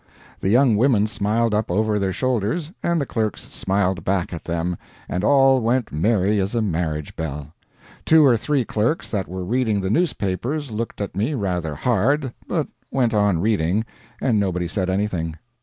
The young women smiled up over their shoulders, and the clerks smiled back at them, and all went merry as a marriage bell. Two or three clerks that were reading the newspapers looked at me rather hard, but went on reading, and nobody said anything.